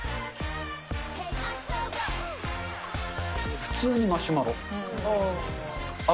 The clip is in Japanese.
普通にマシュマロ。